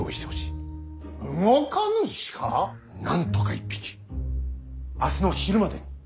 なんとか１匹明日の昼までに。